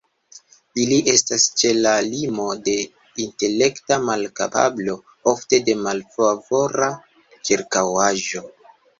Ili estas ĉe la limo de intelekta malkapablo, ofte de malfavora ĉirkaŭaĵo.